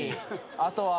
あとは。